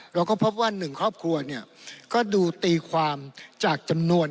เราก็พบว่า๑ครอบครัวเนี่ย